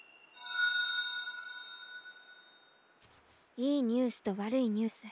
いいニュースとわるいニュース